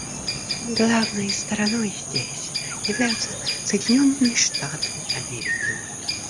Главной стороной здесь являются Соединенные Штаты Америки.